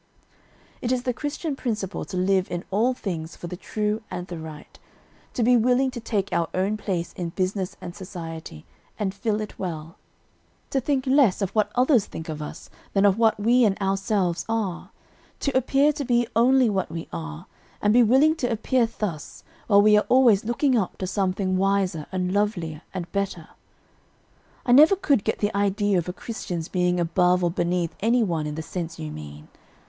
"It is the Christian principle to live in all things for the true and the right; to be willing to take our own place in business and society, and fill it well; to think less of what others think of us than of what we in ourselves are; to appear to be only what we are, and be willing to appear thus while we are always looking up to something wiser, and lovelier, and better. "I never could get the idea of a Christian's being above or beneath any one in the sense you mean.